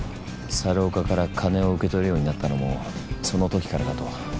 猿岡から金を受け取るようになったのもそのときからかと。